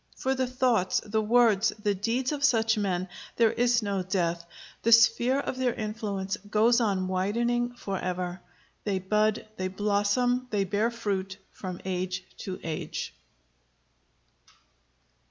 For the thoughts, the words, the deeds of such men there is no death; the sphere of their influence goes on widening forever. They bud, they blossom, they bear fruit, from age to age."